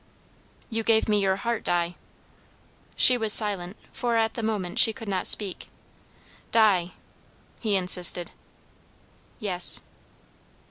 "You gave me your heart, Di?" She was silent, for at the moment she could not speak "Di!" he insisted. "Yes."